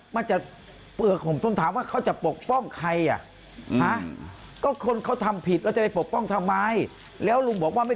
อ๋อว่าลุงควรไปเช็คเองมีคนไปเช็คให้